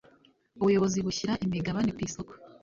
ubuyobozi bushyira imigabane ku isoko